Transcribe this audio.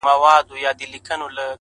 او له سترگو يې څو سپيني مرغلري ـ